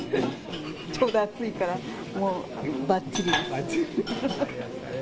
ちょうど暑いから、もうばっちりです。